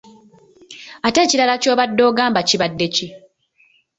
Ate ekirala kyobadde ogamba kibadde ki.